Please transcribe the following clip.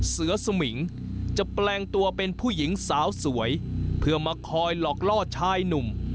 เสือสมิงจะแปลงตัวเป็นผู้หญิงสาวสวยเพื่อมาคอยหลอกล่อชายหนุ่ม